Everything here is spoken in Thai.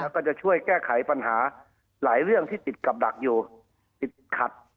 ก็จะช่วยแก้ไขปัญหาหลายเรื่องที่ติดกับดักอยู่ติดขัด